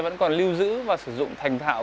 vẫn còn lưu giữ và sử dụng thành thạo